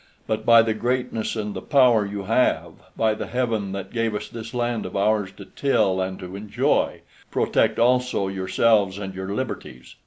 But by the greatness and the power you have, by the Heaven that gave us this land of ours to till and to enjoy, protect also yourselves and your liberties."